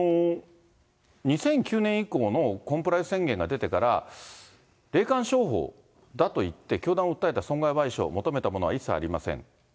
この２００９年以降のコンプライアンス宣言が出てから、霊感商法だと言って教団を訴えた損害賠償を求めたものは一切ありません。